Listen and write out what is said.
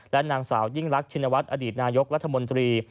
นางสาวยิ่งรักชินวัฒน์อดีตนายกรัฐมนตรี